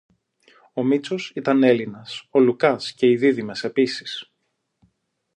Ο Μήτσος ήταν Έλληνας, ο Λουκάς και οι δίδυμες επίσης